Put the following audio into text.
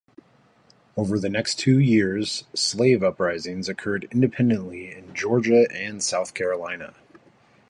Over the next two years, slave uprisings occurred independently in Georgia and South Carolina.